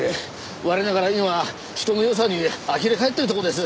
我ながら今人のよさにあきれ返ってるところです。